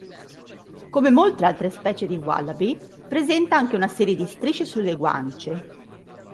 Come molte altre specie di wallaby, presenta anche una serie di strisce sulle guance.